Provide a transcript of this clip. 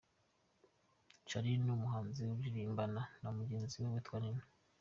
Charly : ni umuhanzi uririmbana na mugenzi we witwa Nina.